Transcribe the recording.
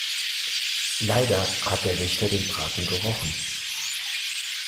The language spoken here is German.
Leider hat der Wächter den Braten gerochen.